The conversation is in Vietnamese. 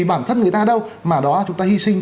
bản thân người ta đâu mà đó chúng ta hy sinh